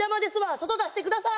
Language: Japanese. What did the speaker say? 外出してください！